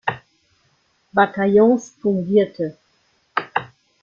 Bataillons fungierte.